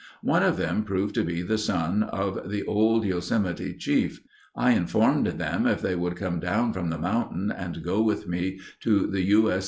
One of them proved to be the son of the old Yosemety chief. I informed them if they would come down from the mountains and go with me to the U. S.